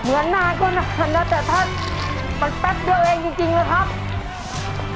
เหมือนนานก็นานนะแต่ถ้ามันแป๊บเดินเองจริงนะครับ